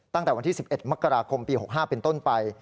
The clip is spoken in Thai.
ตั้งแต่วันที่๑๑มกราคมปี๖๕เป็นต้นไป